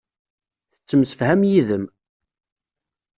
Tettemsefham yid-m.